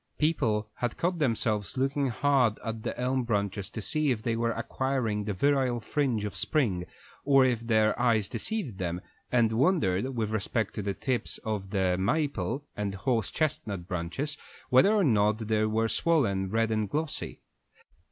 People caught themselves looking hard at the elm branches to see if they were acquiring the virile fringe of spring or if their eyes deceived them, and wondered, with respect to the tips of maple and horse chestnut branches, whether or not they were swollen red and glossy.